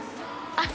あっ